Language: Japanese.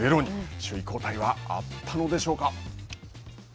首位交代はあったのでしょうか。